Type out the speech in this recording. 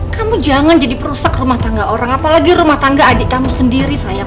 kamu jangan jadi perusak rumah tangga orang apalagi rumah tangga adik kamu sendiri sayang